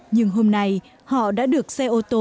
nhưng hôm nay họ đã được xe ô tô